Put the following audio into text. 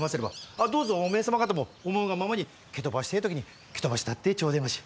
あっどうぞおめえ様方も思うがままに蹴飛ばしてえ時に蹴飛ばしたってちょでまし！